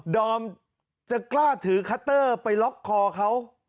ดอมจะกล้าถือคัตเตอร์ไปล็อกคอเขา